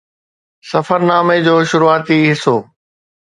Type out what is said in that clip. سفرنامي جو شروعاتي حصو